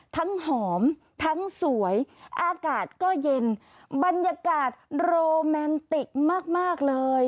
หอมทั้งสวยอากาศก็เย็นบรรยากาศโรแมนติกมากมากเลย